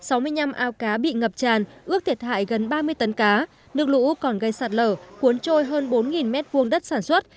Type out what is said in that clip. sáu mươi năm ao cá bị ngập tràn ước thiệt hại gần ba mươi tấn cá nước lũ còn gây sạt lở cuốn trôi hơn bốn m hai đất sản xuất